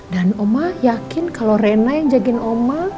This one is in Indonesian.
dan oma yakin kalau rina yang jagain oma